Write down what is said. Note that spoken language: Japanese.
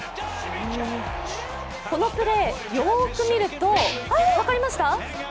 このプレー、よーく見ると分かりました？